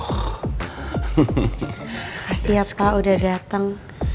kasih ya pak udah dateng